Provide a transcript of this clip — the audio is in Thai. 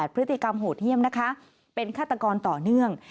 พฤติกรรมโหดเยี่ยมนะคะเป็นฆาตกรต่อเนื่อง